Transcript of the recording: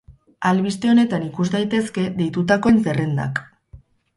Albiste honetan ikus daitezke deitutakoen zerrendak.